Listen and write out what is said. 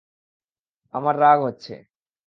আমার রাগ হচ্ছে।